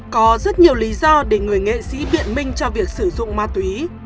có rất nhiều lý do để người nghệ sĩ biện minh cho việc sử dụng ma túy